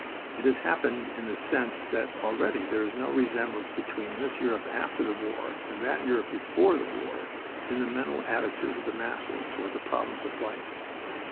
It has happened in the sense that already there is no resemblance between this Europe after the war and that Europe before the war, in the mental attitude of the masses toward the problems of life.